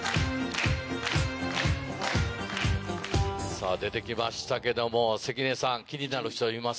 さぁ出てきましたけども関根さん気になる人います？